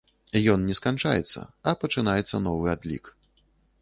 Ён не сканчаецца, а пачынаецца новы адлік.